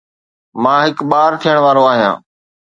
مان هڪ ٻار ٿيڻ وارو آهيان